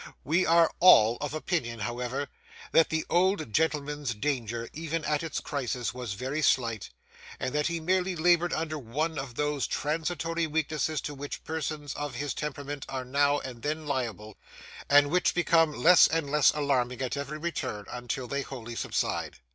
We are all of opinion, however, that the old gentleman's danger, even at its crisis, was very slight, and that he merely laboured under one of those transitory weaknesses to which persons of his temperament are now and then liable, and which become less and less alarming at every return, until they wholly subside.